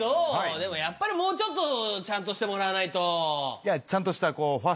でもやっぱりもうちょっとちゃんとしてもらわないと。